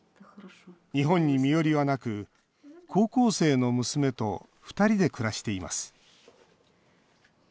日本に身寄りはなく高校生の娘と２人で暮らしています。